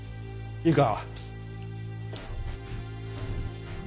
いいか？